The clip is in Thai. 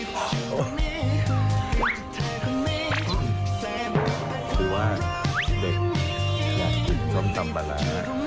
คิดว่าเด็กอยากกินส้มตำมาร้า